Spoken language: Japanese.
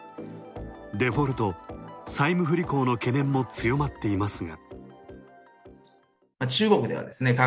デフォルト、債務不履行の懸念も強まっていますが。